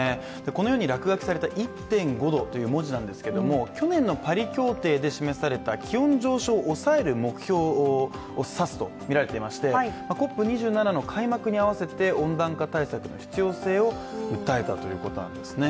このように落書きされた「１．５℃」という文字なんですけども、気温上昇を抑える目標を差すとみられていましてＣＯＰ２７の開幕に合わせて温暖化対策に必要性を訴えたということなんですね。